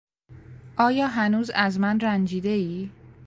آیا هنوز از من رنجیدهای؟